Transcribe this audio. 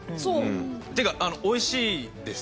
っていうかあの美味しいです